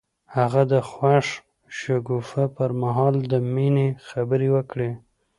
هغه د خوښ شګوفه پر مهال د مینې خبرې وکړې.